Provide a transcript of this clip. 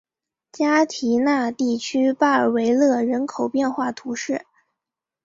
加提奈地区巴尔维勒人口变化图示